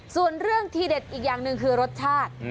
ส่วนเรื่องทีเด็ดอีกอย่างหนึ่งคือรสชาติ